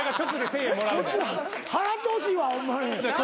払ってほしいわホンマに。